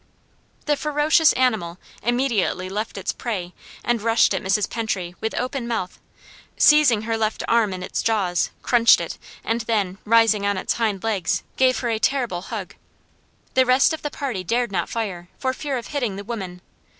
The ferocious animal immediately left its prey and rushed at Mrs. Pentry with open mouth, seizing her left arm in its jaws, crunched it, and then, rising on its hind legs, gave her a terrible hug. The rest of the party dared not fire, for fear of hitting the woman.